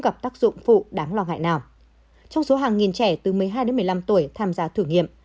gặp tác dụng phụ đáng lo ngại nào trong số hàng nghìn trẻ từ một mươi hai đến một mươi năm tuổi tham gia thử nghiệm